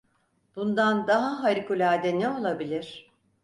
Bundan daha harikulade ne olabilir?